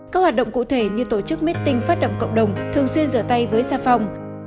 các hoạt động cụ thể như tổ chức meeting phát động cộng đồng thường xuyên rửa tay với xa phòng